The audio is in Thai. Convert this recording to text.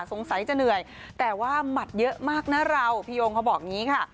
สงสัยจะเหนื่อยแต่ว่าหมัดเยอะมากนะเราพี่โยงเขาบอกอย่างนี้ค่ะ